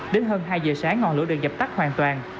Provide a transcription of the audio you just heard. đến hơn hai giờ sáng ngọn lửa được dập tắt hoàn toàn